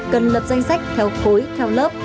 cần lập danh sách theo khối theo lớp